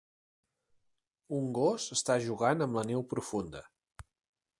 Un gos està jugant amb la neu profunda.